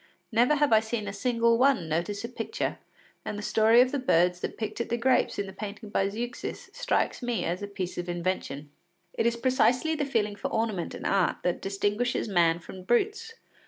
Never have I seen a single one notice a picture, and the story of the birds that picked at the grapes in the painting by Zeuxis, strikes me as a piece of invention. It is precisely the feeling for ornament and art that distinguishes man from brutes.